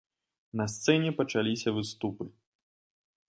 На сцэне пачаліся выступы.